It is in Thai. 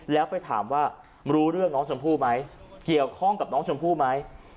แล้วไปถามว่ารู้เรื่องน้องชมพู่ไหมเกี่ยวข้องกับน้องชมพู่ไหม